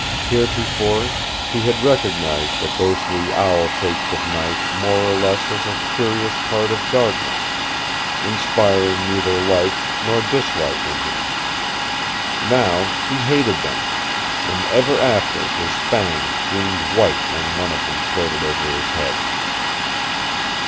Heretofore he had recognized the ghostly owl shapes of night more or less as a curious part of darkness, inspiring neither like nor dislike in him. Now he hated them, and ever after his fangs gleamed white when one of them floated over his head.